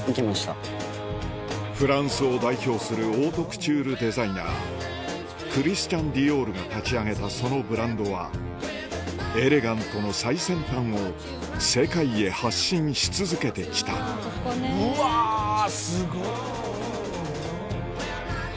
フランスを代表するオートクチュールデザイナークリスチャン・ディオールが立ち上げたそのブランドはエレガントの最先端を世界へ発信し続けて来たうわすごっ！